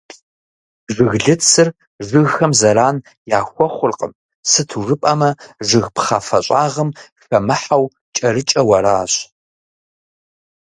Жыглыцыр жыгхэм зэран яхуэхъуркъым, сыту жыпӏэмэ, жыг пхъафэ щӏагъым хэмыхьэу, кӏэрыкӏэу аращ.